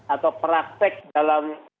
atau praktek dalam